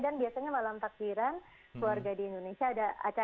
dan biasanya malam takdiran keluarga di indonesia ada acara